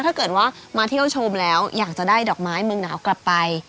ถ้าเกิดว่ามาเที่ยวชมแล้วอยากจะได้ดอกไม้เมืองหนาวกลับไป